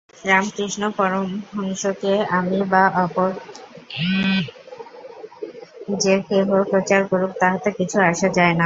রামকৃষ্ণ পরমহংসকে আমি বা অপর যে-কেহ প্রচার করুক, তাহাতে কিছু আসে যায় না।